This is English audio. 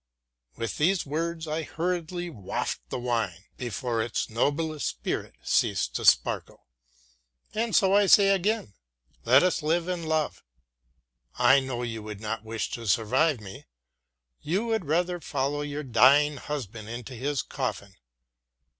With these words I hurriedly quaffed the wine, before its noble spirit ceased to sparkle. And so I say again, let us live and love. I know you would not wish to survive me; you would rather follow your dying husband into his coffin.